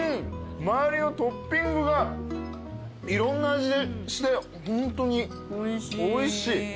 周りのトッピングがいろんな味してホントにおいしい。